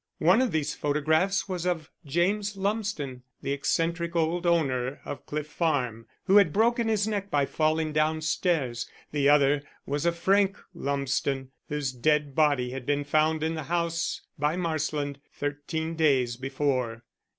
One of these photographs was of James Lumsden, the eccentric old owner of Cliff Farm, who had broken his neck by falling downstairs. The other was Frank Lumsden, whose dead body had been found in the house by Marsland thirteen days before.